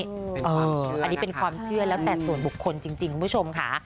เป็นความเชื่อนะคะอันนี้เป็นความเชื่อแล้วแต่ส่วนบุคคลจริงคุณผู้ชมค่ะ